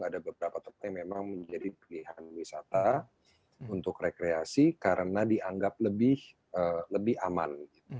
ada beberapa tempat yang memang menjadi pilihan wisata untuk rekreasi karena dianggap lebih aman